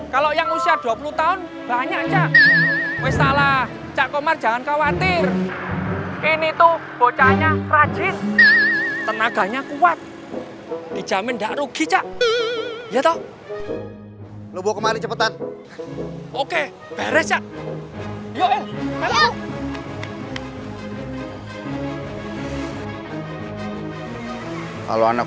kalau yang usia dua puluh tahun